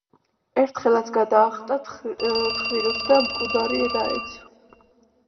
ერთხელაც გადაახტა თხრილს და მკვდარი დაეცა.